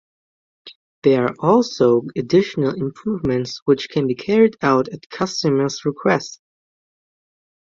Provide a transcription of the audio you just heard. There are also additional improvements which can be carried out at customer's request.